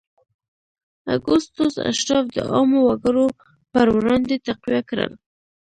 اګوستوس اشراف د عامو وګړو پر وړاندې تقویه کړل.